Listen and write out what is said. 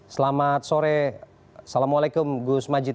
selamat sore assalamualaikum gus majid